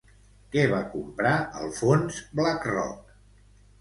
Què va comprar el fons Blackrock?